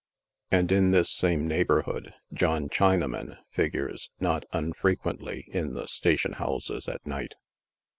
And in this same neighborhood, John Chinaman figures, not unfre quently, in the station houses at night.